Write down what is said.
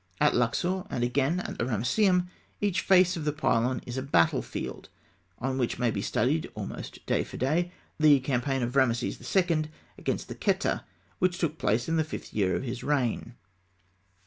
At Luxor, and again at the Ramesseum, each face of the pylon is a battle field on which may be studied, almost day for day, the campaign of Rameses II. against the Kheta, which took place in the fifth year of his reign.